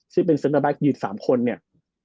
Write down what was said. ซึ่งเป็นเซ็นเตอร์แก๊กยืน๓คนเนี่ย